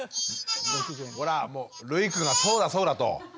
ほらもうるいくんがそうだそうだと。ね？